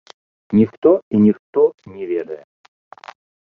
Ніхто і ніхто не ведае.